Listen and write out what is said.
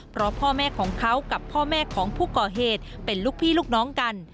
เพราะพ่อแม่ของเขากับพ่อแม่ของผู้ก่อเหตุเป็นลูกพี่ลูกน้องกัน